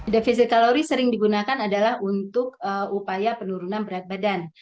defisit kalori sering digunakan adalah untuk upaya penurunan berat badan